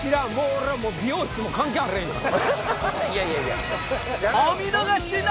俺は美容室も関係あれへんから。